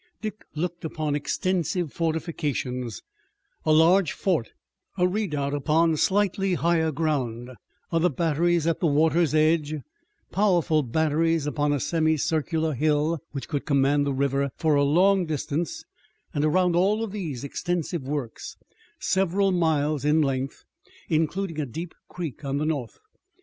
Dick looked upon extensive fortifications, a large fort, a redoubt upon slightly higher ground, other batteries at the water's edge, powerful batteries upon a semi circular hill which could command the river for a long distance, and around all of these extensive works, several miles in length, including a deep creek on the north.